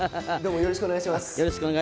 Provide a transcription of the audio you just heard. よろしくお願いします。